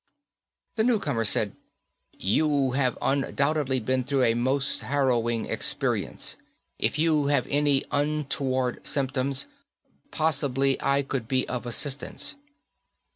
The newcomer said, "You have undoubtedly been through a most harrowing experience. If you have any untoward symptoms, possibly I could be of assistance."